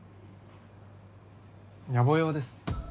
やぼ用です